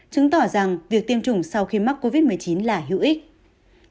chứng tỏ rằng việc tiêm chủng sau khi mắc covid một mươi chín là hữu ích